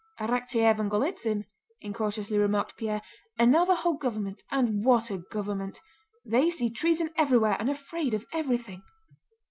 "Arakchéev and Golítsyn," incautiously remarked Pierre, "are now the whole government! And what a government! They see treason everywhere and are afraid of everything."